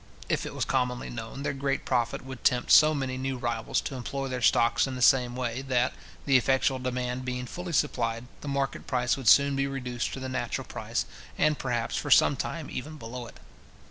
If it was commonly known, their great profit would tempt so many new rivals to employ their stocks in the same way, that, the effectual demand being fully supplied, the market price would soon be reduced to the natural price, and, perhaps, for some time even below it.